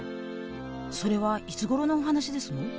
それはいつごろのお話ですの？